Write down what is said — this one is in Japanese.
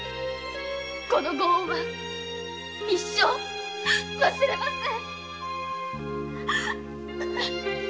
このご恩は一生忘れません。